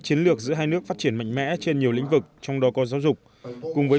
chiến lược giữa hai nước phát triển mạnh mẽ trên nhiều lĩnh vực trong đó có giáo dục cùng với